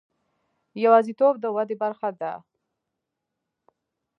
یوازیتوب د ودې برخه ده.